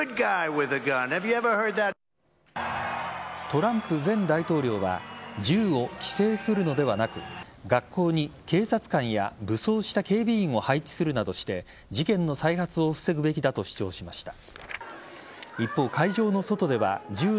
トランプ前大統領は銃を規制するのではなく学校に警察官や武装した警備員を配置するなどして事件の再発を防ぐべきだと主張しました。